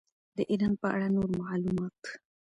د ایران په اړه نور معلومات.